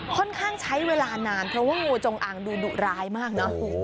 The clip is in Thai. ค่อนข้างใช้เวลานานเพราะว่างูจงอางดูดุร้ายมากเนอะ